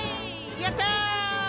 やった！